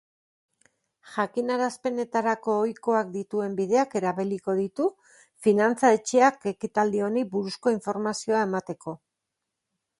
Jakinarazpenetarako ohikoak dituen bideak erabiliko ditu finantza etxeak ekitaldi honi buruzko informazioa emateko.